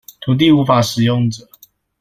土地無法使用者